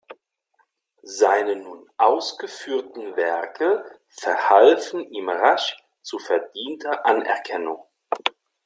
Seine nun ausgeführten Werke verhalfen ihm rasch zu verdienter Anerkennung.